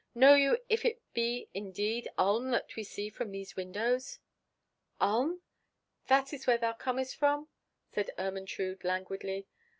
Know you if it be indeed Ulm that we see from these windows?" "Ulm? That is where thou comest from?" said Ermentrude languidly.